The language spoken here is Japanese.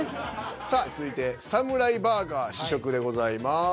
さあ続いてサムライバーガー試食でございます。